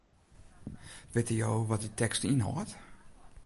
Witte jo wat dy tekst ynhâldt?